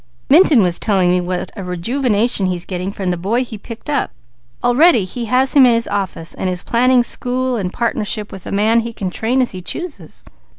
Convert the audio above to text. Minturn was telling me what a rejuvenation he's getting from the boy he picked up. Already he has him in his office, and is planning school and partnership with a man he can train as he chooses."